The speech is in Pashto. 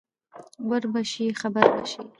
ور به شې خبر به شې